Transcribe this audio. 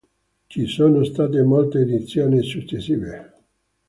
Ci sono state molte edizioni successive.